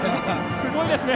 すごいですね！